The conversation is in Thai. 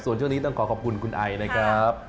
ส่วนช่วงนี้ต้องขอขอบคุณคุณไอนะครับ